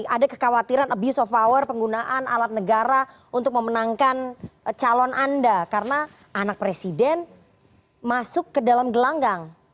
ada kekhawatiran abuse of power penggunaan alat negara untuk memenangkan calon anda karena anak presiden masuk ke dalam gelanggang